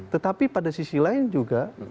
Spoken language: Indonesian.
tetapi pada sisi lain juga